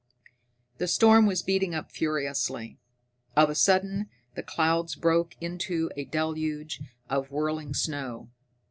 The storm was beating up furiously. Of a sudden the clouds broke into a deluge of whirling snow.